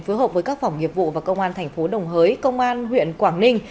phối hợp với các phòng nghiệp vụ và công an thành phố đồng hới công an huyện quảng ninh